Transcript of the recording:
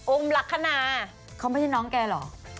อุ้มหลักขณะเขาไม่ใช่น้องแกหรอ